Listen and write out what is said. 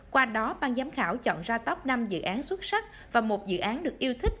qua đó ban giám khảo chọn ra top năm dự án xuất sắc và một dự án được yêu thích